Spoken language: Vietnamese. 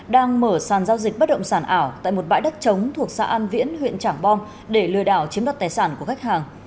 đang mở sàn giao dịch bất động sản ảo tại một bãi đất trống thuộc xã an viễn huyện trảng bom để lừa đảo chiếm đất tài sản của khách hàng